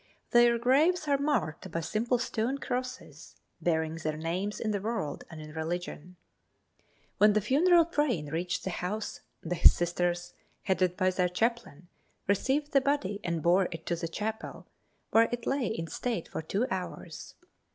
Their graves are marked by simple stone crosses, bearing their names in the world and in religion. When the funeral train reached the house the Sisters, headed by their chaplain, received the body and bore it to the chapel, where it lay in state for two hours.